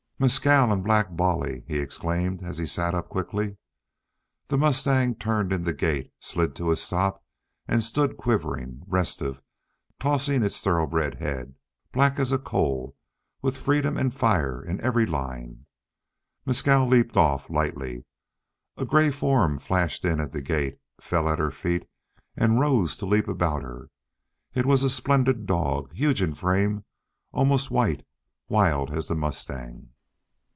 "Mescal and Black Bolly!" he exclaimed, and sat up quickly. The mustang turned in the gate, slid to a stop, and stood quivering, restive, tossing its thoroughbred head, black as a coal, with freedom and fire in every line. Mescal leaped off lightly. A gray form flashed in at the gate, fell at her feet and rose to leap about her. It was a splendid dog, huge in frame, almost white, wild as the mustang.